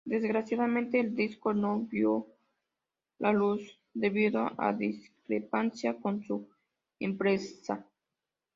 Desgraciadamente, el disco no vio la luz debido a discrepancias con su empresa.